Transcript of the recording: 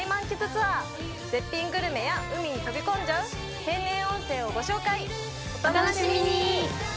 ツアー絶品グルメや海に飛び込んじゃう天然温泉をご紹介お楽しみに！